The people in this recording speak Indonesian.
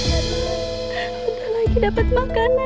nanti lagi dapat makanan